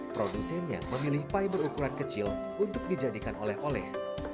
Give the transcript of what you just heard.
produsennya memilih pie berukuran kecil untuk dijadikan oleh oleh